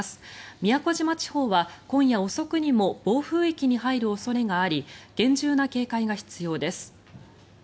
宮古島地方は今夜遅くにも暴風域に入る恐れがあり厳重な警戒が必要です。